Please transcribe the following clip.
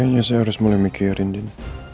kayanya saya harus mulai mikirin din